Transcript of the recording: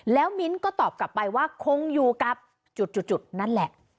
แล้วมิ้นท์ก็ตอบกลับไปว่าคงอยู่กับจุดนั่นแหละ